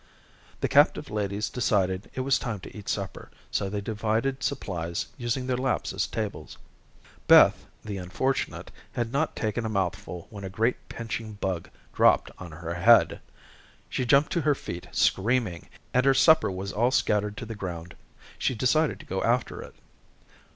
The captive ladies decided it was time to eat supper, so they divided supplies, using their laps as tables. Beth, the unfortunate, had not taken a mouthful when a great pinching bug dropped on her head. She jumped to her feet screaming, and her supper was all scattered to the ground. She decided to go after it.